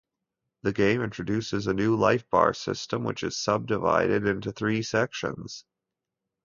The game introduces a new life bar system, which is subdivided into three sections.